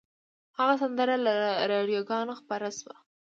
هغه سندره له راډیوګانو خپره شوه